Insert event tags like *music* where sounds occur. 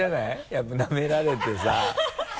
やっぱなめられてさ *laughs*